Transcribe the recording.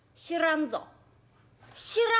知らんぞ。